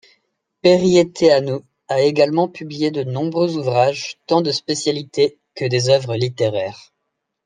Periețeanu a également publié de nombreux ouvrages, tant de spécialité, que des œuvres littéraires.